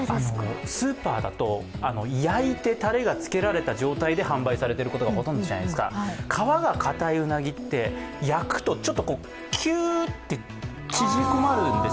スーパーだと焼いてタレがつけられた状態で販売されていることがほとんどじゃないですか、皮がかたいうなぎって焼くときゅーっと縮こまるんです。